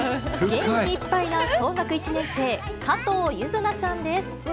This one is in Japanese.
元気いっぱいな小学１年生、加藤柚凪ちゃんです。